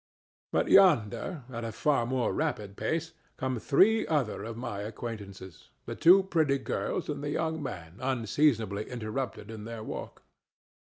But yonder, at a far more rapid pace, come three other of my acquaintance, the two pretty girls and the young man unseasonably interrupted in their walk.